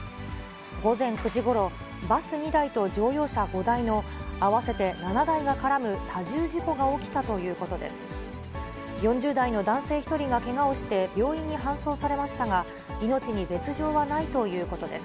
午前９時ごろ、バス２台と乗用車５台の合わせて７台が絡む多重事故が起きたということです。